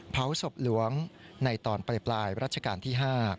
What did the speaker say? เผาศพหลวงในตอนปลายรัชกาลที่๕